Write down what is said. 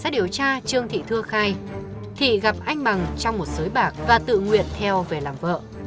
điều tra trương thị thưa khai thị gặp anh bằng trong một sới bạc và tự nguyện theo về làm vợ